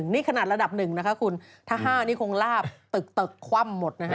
นี่ขนาดระดับหนึ่งนะคะคุณถ้า๕นี่คงลาบตึกคว่ำหมดนะคะ